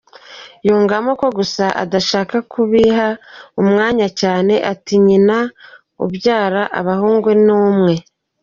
Yungamo ko gusa adashaka kubiha umwanya cyane ati "nyina ubyara abahungu ni umwe".